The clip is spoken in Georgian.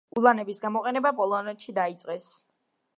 ულანების გამოყენება პოლონეთში დაიწყეს.